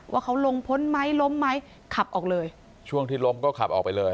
ว่าเขาลงพ้นไหมล้มไหมขับออกเลยช่วงที่ล้มก็ขับออกไปเลย